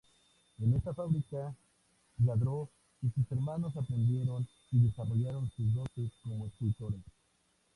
En esta fábrica, Lladró y sus hermanos aprendieron y desarrollaron sus dotes como escultores.